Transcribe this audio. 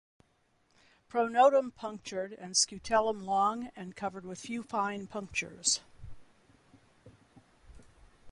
Pronotum punctured and scutellum long and covered with few fine punctures.